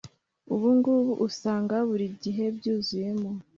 ubungubu usanga buri gihe byuzuyemo